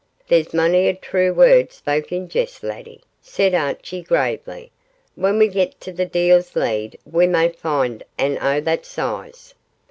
'There's mony a true word spoke in jest, laddie,' said Archie, gravely; 'when we get to the Deil's Lead we may find ain o' that size.